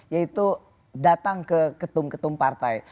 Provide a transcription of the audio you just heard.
yaitu datang ke ketum ketum partai